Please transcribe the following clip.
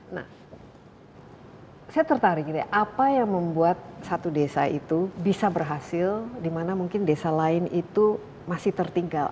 nah saya tertarik apa yang membuat satu desa itu bisa berhasil di mana mungkin desa lain itu masih tertinggal